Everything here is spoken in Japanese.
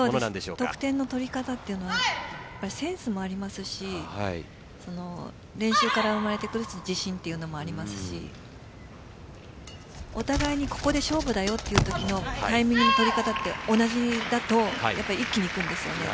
得点の取り方というのがセンスもありますし練習から生まれてくる自信もありますしお互いにここで勝負だよというときのタイミングの取り方が同じだと一気にいきますよね。